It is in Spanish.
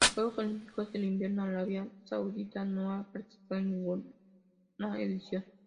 En los Juegos Olímpicos de Invierno Arabia Saudita no ha participado en ninguna edición.